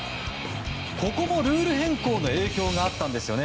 ここもルール変更の影響があったんですよね